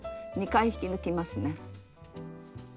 ２回引き抜きますね。